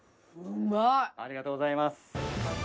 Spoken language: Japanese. ありがとうございます！